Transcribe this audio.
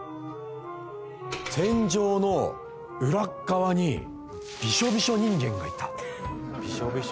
天井の裏っかわにビショビショ人間？